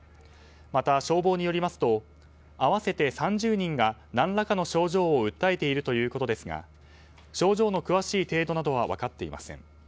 また、消防によりますと合わせて３０人が何らかの症状を訴えているということですが症状の詳しい程度などは分かっていません。